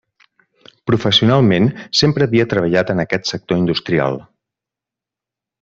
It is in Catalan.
Professionalment, sempre havia treballat en aquest sector industrial.